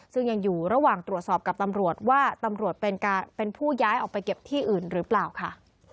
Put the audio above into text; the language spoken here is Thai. ซึ่งยังอยู่ระหว่างตรวจสอบกับตำรวจว่าตำรวจเป็นผู้ย้ายออกไปเก็บที่อื่นหรือเปล่าค่ะ